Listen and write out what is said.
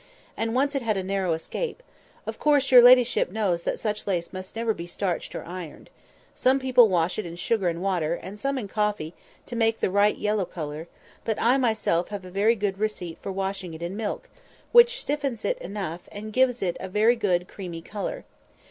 And once it had a narrow escape. Of course, your ladyship knows that such lace must never be starched or ironed. Some people wash it in sugar and water, and some in coffee, to make it the right yellow colour; but I myself have a very good receipt for washing it in milk, which stiffens it enough, and gives it a very good creamy colour.